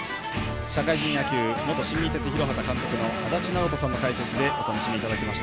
社会人野球元新日鉄広畑監督の足達尚人さんの解説でお楽しみいただきました。